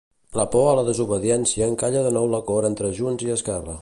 La por a la desobediència encalla de nou l'acord entre Junts i Esquerra.